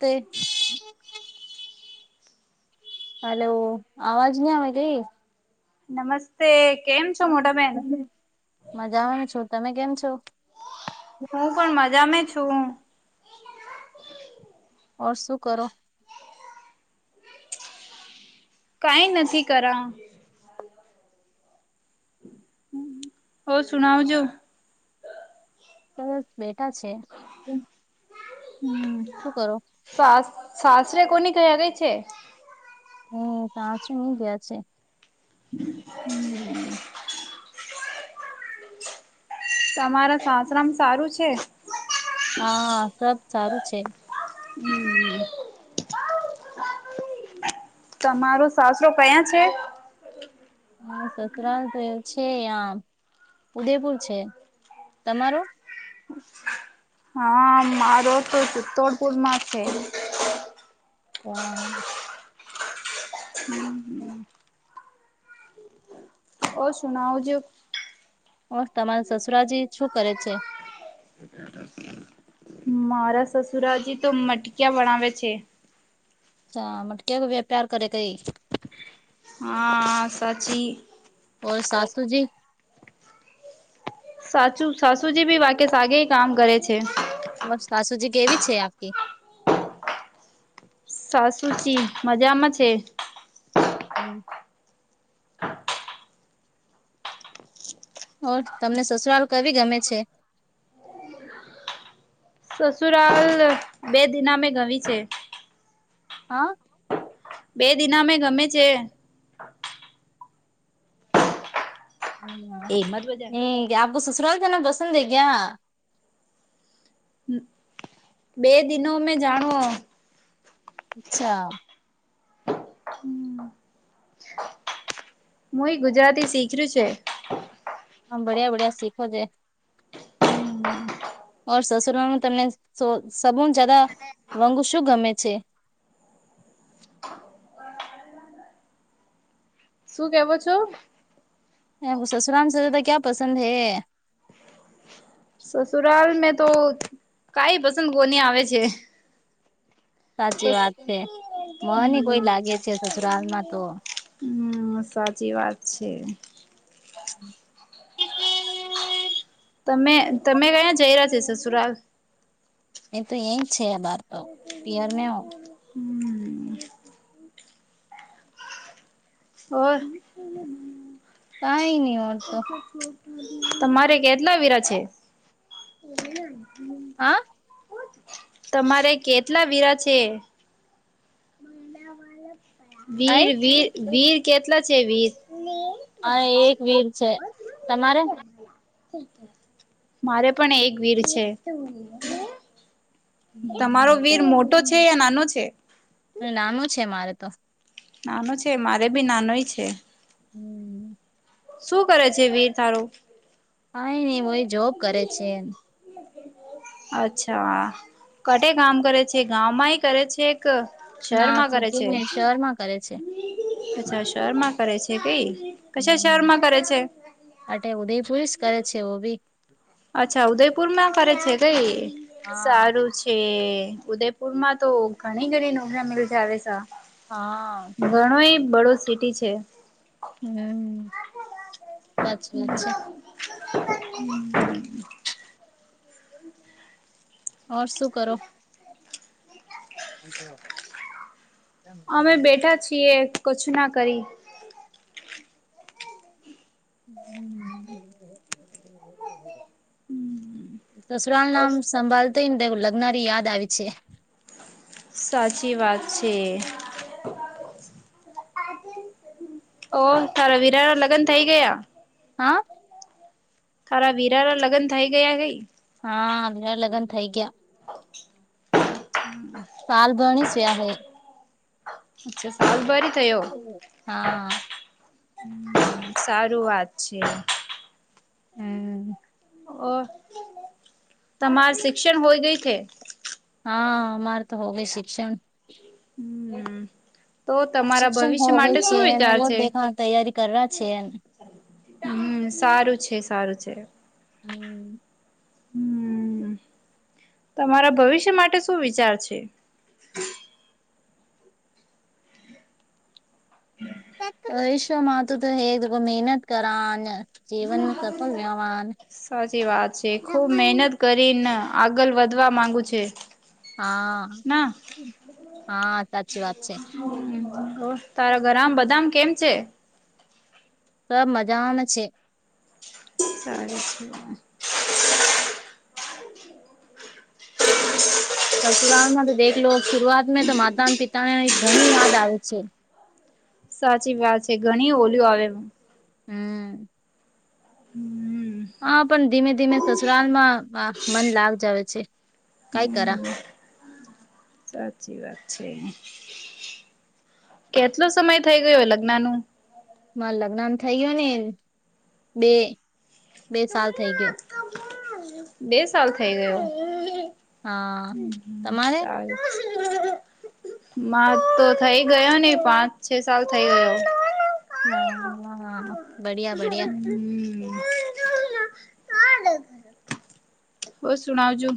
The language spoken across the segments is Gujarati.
તે- - હલો અવાજ ન આ કઈ. નમસ્તે કેમ છો મોટાબેન? મજામાં નું છું તમે કેમ છો? હું પણ મજા મે છું. ઓ શું કરો. કઈ નથી કરા. ઓ શુણાવ જો? બસ બેઠા છે શું કરો? સા સાસરે કોની કઈ ગઈ છે. હમ તાચ ની ગયા છે. હમ. તમારા સાસરામાં સારું છે? હા સબ સારું છે. હમ. તમારું સાસરો કયાં છે? હ સસુરાલ તો છે આં ઉદેપુર છે તમારો? હા મારો તો સિત્તોડપુરમાં છે. હા. હમ. ઓ સુનાઓ જો- - હો તમારી સસુરાજી શું કરે છે? મારા સસુરાજી તો મટકિયા વણાવે છે. સા મટકીયા કો વ્યાપાર કરે કઈ? હા સાચી. ઓર સાસુ જી? સાચુ સાસુજી ભી વાકે સાગે કામ કરે છે. વ સાસુજી કેવી છે આપકી? સાસુ જી મજામાં છે. હમ. [inaudible] ઓર તમને સસુરાલ કવી ગમે છે? સસુરાલ બે દિના મે ગવી છે. હા. બે દિના મેં ગમે છે. એ મત બજા હમ કયા આપકો સસુરાલ જાના પંસદ હે કયાં. બે દિનો મેં જાણો. અચ્છા. હમ. હું એ ગુજરાતી શીખર્યું છે. હમ, બળિયા બળ્યા શીખોજે. [unintelligible] ઓર સસુરમાં તમને સબ જદા વાંગુ શું ગમે છે? શું કેવો છો? એ સસુરાલને ક્યા પસંદ હૈ? સસુરાલ મેં તો કઈ પસંદ કોની આવે છે. સાચી વાત છે મને કોઈ લાગે છે સસુરાલમાં તો [unintelligible] હમ, સાચી વાત છે. [inaudible] તમે તમે કયાં જઈ રહ્યા છે? સસુરાલ. એ તો એ છે, બાર તો પિયરને. [unintelligible] કઈ નહી, ઓર તો. તમારે કેટલા વિરા છે? [unintelligible] હા. તમારે કેટલા વીરા છે? વીર, કઈ વીર, વીર કેટલા છે? વીર. હ, એક વીર છે. તમારે? મારે પણ એક વીર છે. તમારો વીર હમ. મોટો છે? યા નાનો છે? નાનો છે મારે તો. નાનો છે, મારે બી નાનોય છે. હમ. શું કરે છે વીર તારો? કાઇ ની વાય જોબ કરે છે, એમ. અચ્છા, કટે કામ કરે છે? ગામ માંય કરે છે? ક ના શહેરમાં કરે સિટી છે? મે શહેરમાં કરે છે અચ્છા, શહેરમાં કરે છે, કંઈ કસા શહેર હમ માં કરે છે? અટે ઉદયપુર કરે છે, વોબી. અચ્છા, ઉદયપુર માં કરે છે, કઈ હા સારું છે. કે ઉદયપુરમાં તો ઘણી ઘણી નોકરી મિલ જાવે સા. હા. ઘણો ય બડો સિટી છે. હમ, સાચી વાત છે. ઓર શું કરો? [unintelligible] અમે બેઠા છીએ, કછું ના કરી. હમ. સસુરાલ ઓ નામ લગ્નારી યાદ આવી છે. સાચી વાત છે. ઓ તારા વિરા ના લગ્ન થઇ ગયા? હા. તારા વીરાના લગ્ન થઈ ગયા કઈ? હા, લગ્ન થાય ગયા. [unintelligible] હાલ ભરી થયો હા સારું વાત છે. હે ઓ તમાર શિક્ષણ હોય ગઈ કે હા માર તો હો ગઈ શિક્ષણ હમ્મ. તો તમારા શિક્ષણ હો ભવિષ્ય ગઈ માટે છે શું અને વિચાર વો છે? દેખા તૈયારી કરવા છે હમ્મ સારું છે સારું છે. [inaudible] હમ્મ તમારા ભવિષ્ય માટે શું વિચાર છે? [inaudible] [inaudible] ભવિષ્યમાં તું તો હે મહેનત કરા ને સાચી વાત છે ખુબ મહેનત કરીને આગળ વધવા માંગુ છે. હા ના હા સાચી વાત છે. હમ્મ તારા ઘરામ બધા કેમ છે? સબ મજામાં છે. સારી છે [unintelligible] સસુરાળમાં તો દેખ લો શરૂઆત તો માતા પિતાને ઘણી યાદ આવે છે સાચી વાત છે ઘણી ઓલીઓ આવે હમ્મ. હમ્મ. હા પણ ધીમે ધીમે સસુરાલમાં મન લાગ જાવે છે. કઈ કરા હમ્મ. સાચી વાત છે કેટલો સમય થઈ ગયો લગ્ન નું માર લગ્ન થઇ ગયો ને બે બે સાલ થઇ ગયો બે સાલ થઈ ગયો હા તમારે સારુ માર તો થઇ ગયો ને પાંચ છે સાલ થઇ ગયો હા હા બળિયા બળિયા [unintelligible] ઓર સુણાવજો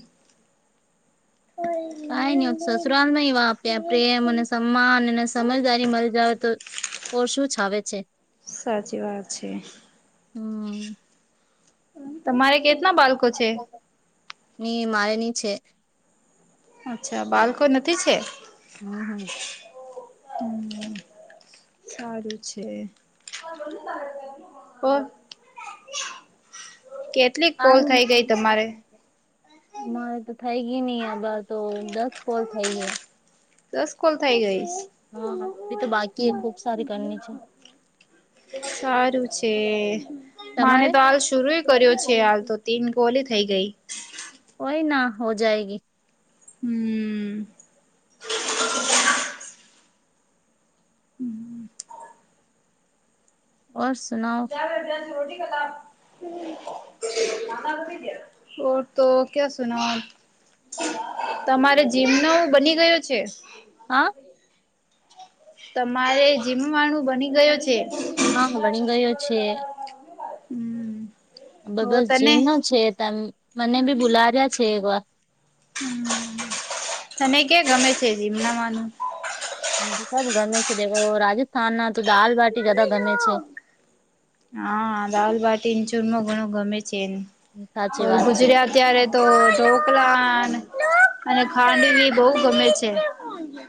કાઈ નહી સસુવાલમાં એવા આપ્યા પ્રેમ અને સન્માન અને સમજદારી મળી જાવ તો ઓ શું છાવે છે. સાચી વાત છે. હમ્મ. તમારે કેટલા બાળકો છે. ની મારે ની છે. અચ્છા બાળકો નથી છે. હમ્મ હમ્મ. [inaudible] સારું છે કોન [unintelligible] કેટલીક કોલ હમ થઇ ગઈ તમારે મારે તો થઈ ગઈ નહી આબર તો દસ કોલ થઈ ગયા બસ કોલ થઇ ગઈશ હા અબી તો બાકી એ ખુબ સારી કરની છે. સારું છે. મને તમારે તો હાલ શરૂ કર્યો છે હાલ તો તીન ગોલી થઈ ગઈ હોય ના હો જાયગી હમ્મ. ઓર સુનાઓ [unintelligible] ઓર તો, ક્યા સુના? તમારે જીમ તો બની ગયો છે? હા. તમારે જીમવાનું બની ગયો છે? હા, ભણી ગયો છે. હમ. બ હો બસ તને જીવનો છે, તેમ મને બી બુલાવ્યા છે એક વાર. હમ, તમે કેયા ગમે છે? જીમનામાંનું. હ સબ ગમે છે, દખો રાજસ્થાનના તો દાલબાટી જદા ગમે છે. હા, દાળ-બાટી, ચૂરમો ઘણું ગમે છે, એમ સાચી વાત છે ગુજરિયા ત્યારે. તો ઢોકળા ને, ખાંડવી બહુ ગમે છે.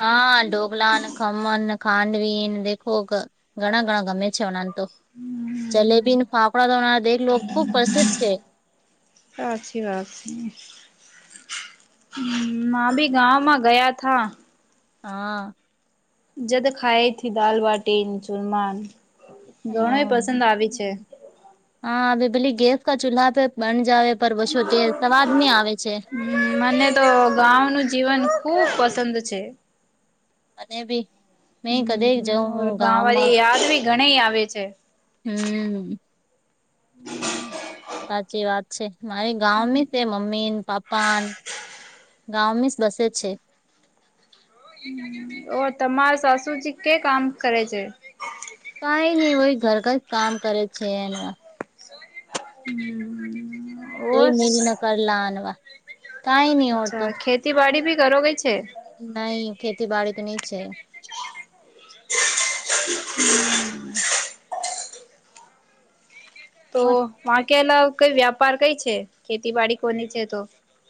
હા, ઢોકળા, ખમણ, ખાંડવી ઘણું બધું ગમે છે. તો જલેબીને, ફાફડા તોના દેખલો ખુબ પ્રસિદ્ધ છે. સાચી વાત કીધી છે. હ, માભી ગામાં ગયા થા. હા. જે તે ખાયથી દાલવાટી, ચુરમાન ઘણો હા પસંદ આવે છે. હા, પેલી ગેસના ચૂલા પે બની જાવ છે, કેે સ્વાદની આવે છે. હ, મને તો ગાવનું જીવન ખુબ પસંદ છે. મને બી મેં કદે જઉં [inaudible] હ હું ગા ગામમાં વાળી યાદ ભી ઘણી આવે છે. હમ. હમ. સાચી વાત છે, મારી ગામ છે, મમ્મી પાપ્પા. ગાવ મે વસે છે. ઓ, તમારા સાસુજી કે કામ કરે છે? કઈ નઈ હોય, ઘર ઘર કામ કરે છે, એ. હમ. તોય મિલન કરલા આનવા કઈ નહી ઓડતો. અચ્છા ખેતીવાડી ભી કરોગી છે? નહીં ખેતી વાડી તો નહીં છે. [unintelligible] તો ઓર વાકેલા કઈ વ્યાપાર કઈ છે, ખેતી બાડી કોની છે, તો..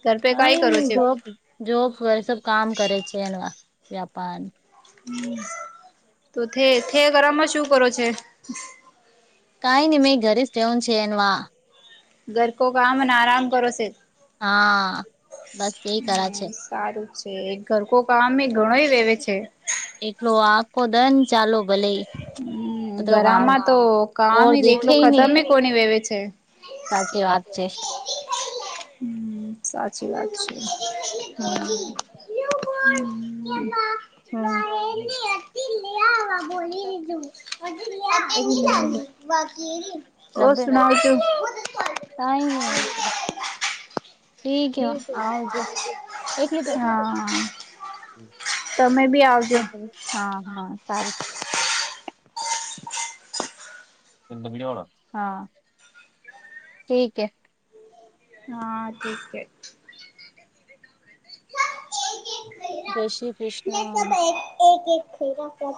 ધર પે કાઈ કઈ કરો નહી છે? જોબ જોબ વગે સબ કામ કરે છે, એ વ્યાપાર. હ, તો થેગમાં શું કરો છે? કઈ નહીં મેં ઘરે જ રેવાન છે, એનવા. ઘર કો કામ અને આરામ કરો છે. હા, બસ એ કરા છે. હમ સારું છે, ઘરકો કામએ ઘણો વેવે છે. એટલો આખો દન ચાલો ભલે એ. હમ, ગરામાં તો ઓર કામ દેખે એકલો નહી ખતમ કોની વેવે છે. સાચી વાત છે. હમ, સાચી વાત છે. હમ. હમ. હમ. એક મિનિટ [inaudible] તઈ નહીં આવતો. ઠીક હે આવજો એક લીટર હા. તમે બી આવજો. હા. સારું. હા, ઠીક એ.. હા, ઠીક છે. જય શ્રી [unintelligible] એક કૃષ્ણ ખરા કર,